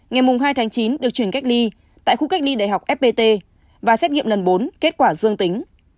ngày hai tháng chín được chuyển cách ly tại khu cách ly đại học fpt và xét nghiệm lần bốn kết quả dương tính